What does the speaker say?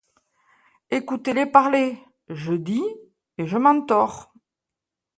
Écoutez-les parler : Je dis, et je m'en tords